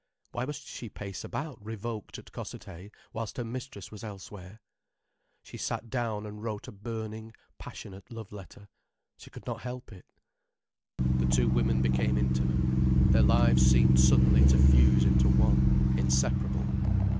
Why must she pace about revoked at Cossethay whilst her mistress was elsewhere? She sat down and wrote a burning, passionate love letter: she could not help it. The two women became intimate. Their lives seemed suddenly to fuse into one, inseparable.